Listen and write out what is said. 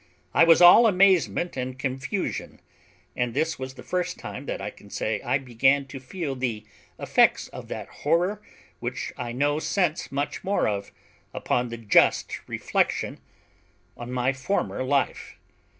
I was all amazement and confusion, and this was the first time that I can say I began to feel the effects of that horror which I know since much more of, upon the just reflection on my former life.